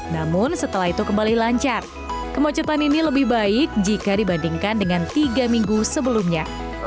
namun setelah itu kembali lancar kemacetan ini lebih baik jika dibandingkan dengan tiga minggu sebelumnya